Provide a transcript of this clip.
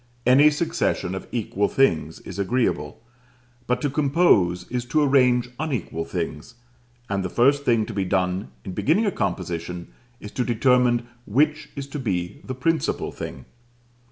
Any succession of equal things is agreeable; but to compose is to arrange unequal things, and the first thing to be done in beginning a composition is to determine which is to be the principal thing.